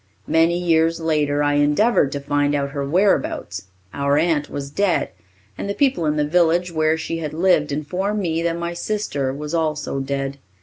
Many years later I endeavoured to find out her whereabouts. Our aunt was dead, and the people in the village where she had lived informed me that my sister was also dead.